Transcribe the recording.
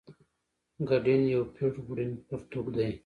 ګډین یو پېړ وړین پرتوګ دی.